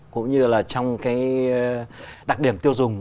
cũng như là trong cái đặc điểm tiêu dùng